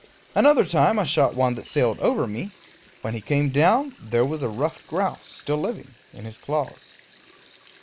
Another time I shot one that sailed over me; when he came down, there was a ruffed grouse, still living, in his claws.